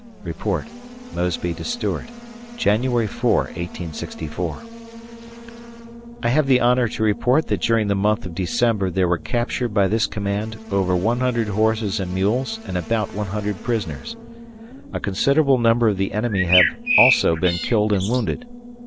... [Report, Mosby to Stuart] January 4, 1864. I have the honor to report that during the month of December there were captured by this command over 100 horses and mules and about 100 prisoners. A considerable number of the enemy have also been killed and wounded.